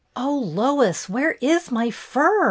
'' Oh, Lois, where is my fur